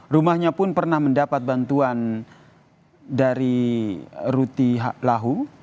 rumahnya pun pernah mendapat bantuan dari ruti laho